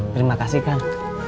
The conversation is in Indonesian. terima kasih kang